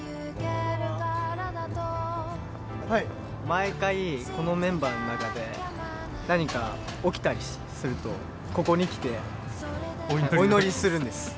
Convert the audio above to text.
毎回このメンバーの中で何か起きたりするとここに来てお祈りするんです。